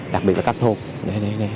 đặc biệt là các thôn